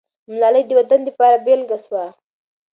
ملالۍ د وطن دپاره بېلګه سوه.